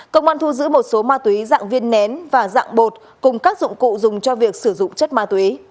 công an thu giữ một số ma túy dạng viên nén và dạng bột cùng các dụng cụ dùng cho việc sử dụng chất ma túy